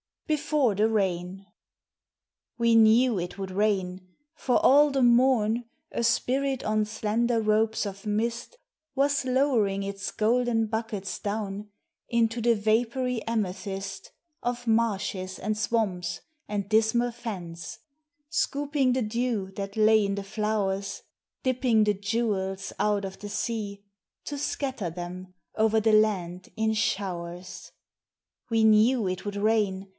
BEFORE THE RAIN. We kuew it would rain, for all the mora A spirit on slender ropes of mist Was lowering its golden buckets down Into the vapory amethysl Of marslies and swamps and dismal fens Scooping the dew thai lay in the flowers, Dipping the jewels ou1 of the sea. To scatter them over the land in Bhowei We knew it would r,in.